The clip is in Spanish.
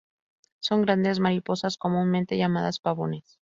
Son grandes mariposas, comúnmente llamadas pavones.